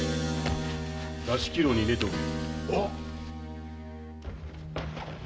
座敷牢に入れておけ。